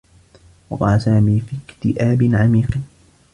وقع سامي في اكتئاب عميق.